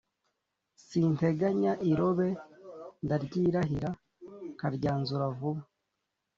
sinteganya irobe ; ndaryirahira, nkaryanzura vuba !»